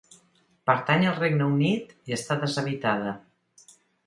Pertany al Regne Unit i està deshabitada.